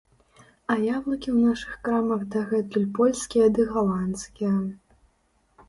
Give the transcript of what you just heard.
А яблыкі ў нашых крамах дагэтуль польскія ды галандскія.